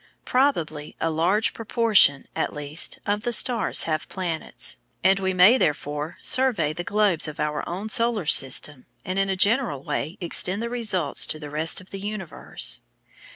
Probably a large proportion at least of the stars have planets, and we may therefore survey the globes of our own solar system and in a general way extend the results to the rest of the universe.